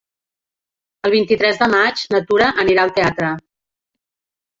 El vint-i-tres de maig na Tura anirà al teatre.